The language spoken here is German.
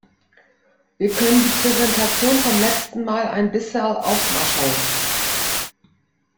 Wir können die Präsentation vom letzen Mal ein bisserl aufmascherln.